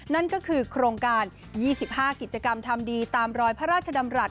นั่นก็คือโครงการ๒๕กิจกรรมทำดีตามรอยพระราชดำรัฐ